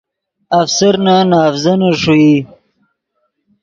افسرنے نے اڤزینے ݰوئی